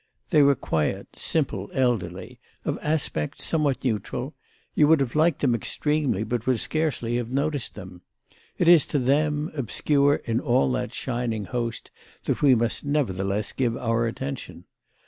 They were quiet simple elderly, of aspect somewhat neutral; you would have liked them extremely but would scarcely have noticed them. It is to them, obscure in all that shining host, that we must nevertheless give our attention.